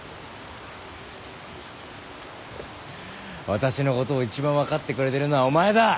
私のことを一番分かってくれてるのはお前だ